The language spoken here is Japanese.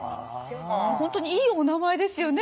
本当にいいおなまえですよね